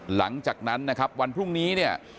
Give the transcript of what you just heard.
หลังจากนั้นนะครับวันพรุ่งนี้เนี่ย